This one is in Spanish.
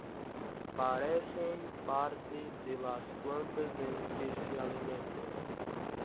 Parecen parte de las plantas en que se alimentan.